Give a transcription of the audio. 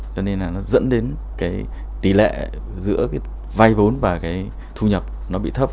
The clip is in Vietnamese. cho nên là nó dẫn đến cái tỷ lệ giữa cái vay vốn và cái thu nhập nó bị thấp